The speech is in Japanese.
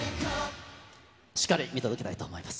しっかり見届けたいと思います。